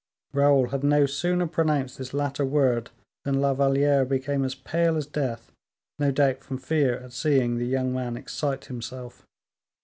Raoul had no sooner pronounced this latter word, than La Valliere became as pale as death, no doubt from fear at seeing the young man excite himself.